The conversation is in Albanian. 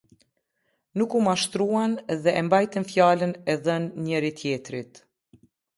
Nuk u mashtruan dhe e mbajtën fjalën e dhënë njëri-tjetrit.